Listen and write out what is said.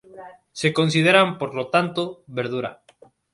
Se consideran, por lo tanto, verdura.